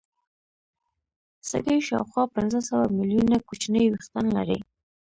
سږي شاوخوا پنځه سوه ملیونه کوچني وېښتان لري.